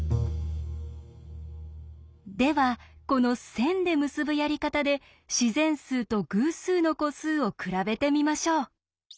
ではこの線で結ぶやり方で自然数と偶数の個数を比べてみましょう。